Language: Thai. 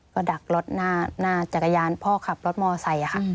ก็ดักรถหน้าจักรยานพ่อขับรถมอไซค์ค่ะ